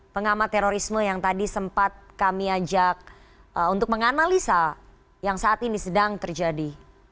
pengamat terorisme yang tadi sempat kami ajak untuk menganalisa yang saat ini sedang terjadi